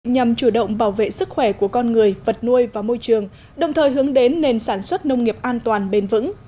nhằm chủ động bảo vệ sức khỏe của con người vật nuôi và môi trường đồng thời hướng đến nền sản xuất nông nghiệp an toàn bền vững